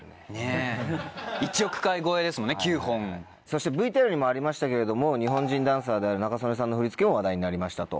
そしてＶＴＲにもありましたけれども日本人ダンサーである仲宗根さんの振り付けも話題になりましたと。